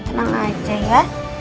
tenang aja ya